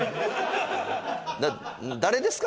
誰ですか？